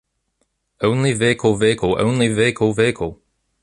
only vehicle vehicle only vehicle vehicle